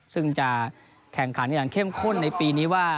ซึ่งจะแข่งขันอย่างเข้มข้นในปีนี้ว่า